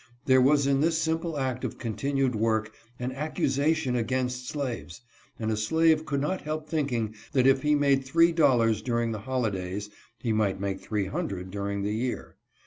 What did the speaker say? There was in this simple act of continued work an accusation against slaves, and a slave could not help thinking that if he made three dollars during the holidays he might make three hundred during the year.